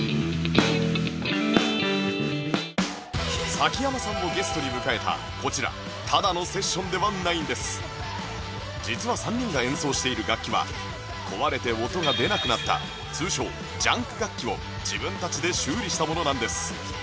崎山さんをゲストに迎えたこちら実は３人が演奏している楽器は壊れて音が出なくなった通称「ジャンク楽器」を自分たちで修理したものなんです